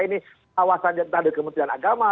ini awasan tentang ada kementerian agama